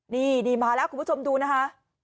นี่มาแล้วคุณผู้ชมดูนะคะ